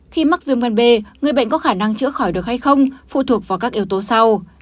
khi mắc viêm gan b người bệnh có khả năng chữa khỏi được hay không phụ thuộc vào các yếu tố sau